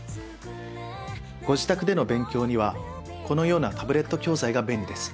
ご自宅での勉強にはこのようなタブレット教材が便利です。